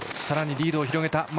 さらにリードを広げた。